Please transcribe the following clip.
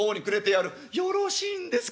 「よろしいんですか？